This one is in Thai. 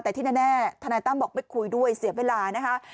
แต่ที่แน่ทนายตั้มบอกไม่คุยด้วยเสียเวลานะคะ